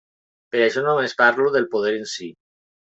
Per això només parlo del poder en si.